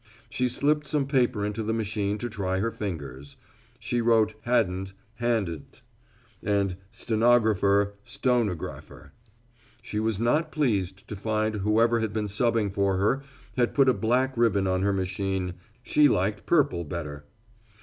She slipped some paper into the machine to try her fingers. She wrote hadn't, "hand't" and stenographer, "stonegrapher." She was not pleased to find whoever had been subbing for her had put a black ribbon on her machine. She liked purple better.